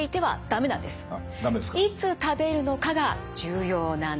いつ食べるのかが重要なんです。